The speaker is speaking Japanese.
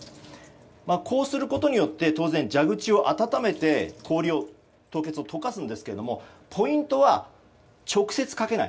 こうすることによって当然、蛇口を温めて凍結を溶かすんですがポイントは直接かけない。